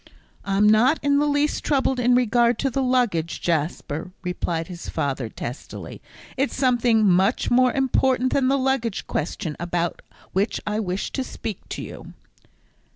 "I'm not in the least troubled in regard to the luggage, Jasper," replied his father, testily; "it's something much more important than the luggage question about which I wish to speak to you."